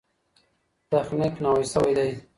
تخنیک نوی سوی دی.